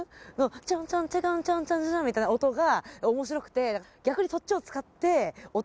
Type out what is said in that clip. チャンチャンチャチャンチャンチャンチャチャンみたいな音が面白くて。